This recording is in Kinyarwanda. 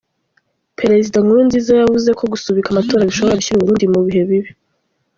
Perezida Nkurunziza yavuze ko gusubika amatora bishobora gushyira u Burundi mu bihe bibi.